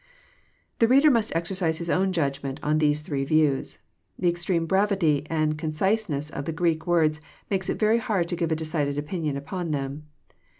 The reader must exercise his own judgment on these three views. The extreme brevity and conciseness of the Greek words make it very hard to give a decided opinion upon them.